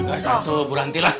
gak satu berhentilah